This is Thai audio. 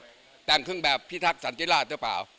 แต่งเครื่องแบบพิทักษันติราชหรือเปล่า